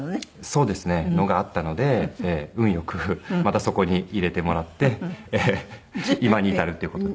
そうですね。のがあったので運良くまたそこに入れてもらって今に至るっていう事で。